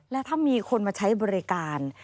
และถ้ามีคนมาใช้บริการ